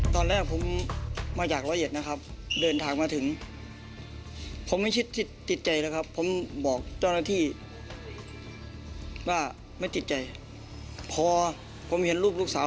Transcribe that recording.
ตอนแรกผมมาจากร้อยเอ็ดนะครับเดินทางมาถึงผมไม่ชิดติดใจนะครับผมบอกเจ้าหน้าที่ว่าไม่ติดใจพอผมเห็นรูปลูกสาว